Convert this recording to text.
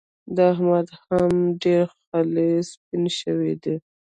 د احمد خو هم ډېر خلي سپين شوي دي.